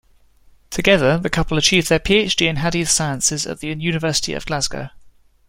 Together, the couple achievhed their PhD in Hadeeth Sciences at the University of Glasgow.